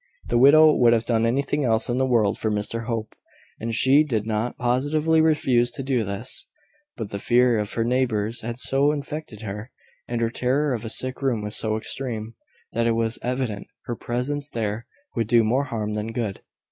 The widow would have done anything else in the world for Mr Hope; and she did not positively refuse to do this; but the fear of her neighbours had so infected her, and her terror of a sick room was so extreme, that it was evident her presence there would do more harm than good.